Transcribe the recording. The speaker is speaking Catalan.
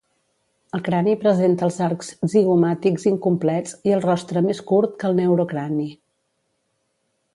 El crani presenta els arcs zigomàtics incomplets i el rostre més curt que el neurocrani.